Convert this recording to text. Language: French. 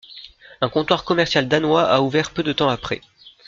Un comptoir commercial danois a ouvert peu de temps après.